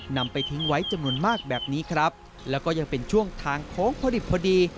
นำไปทิ้งไว้จำนวนมากแบบนี้ครับแล้วก็ยังเป็นช่วงทางโค้งพอดิบพอดี